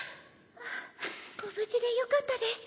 あっご無事でよかったです。